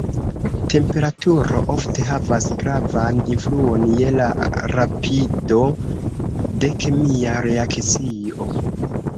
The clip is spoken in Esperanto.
Temperaturo ofte havas gravan influon je la rapido de kemia reakcio.